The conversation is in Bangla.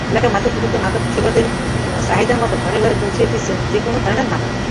এলাকার মাদক বিক্রেতারা মাদকসেবীদের চাহিদামতো ঘরে ঘরে পৌঁছে দিচ্ছেন যেকোনো ধরনের মাদক।